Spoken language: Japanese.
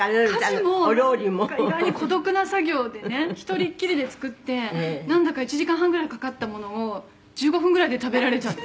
「家事も意外に孤独な作業でね１人っきりで作ってなんだか１時間半ぐらいかかったものを１５分ぐらいで食べられちゃって」